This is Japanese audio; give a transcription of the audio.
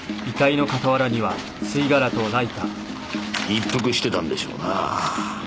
一服してたんでしょうな。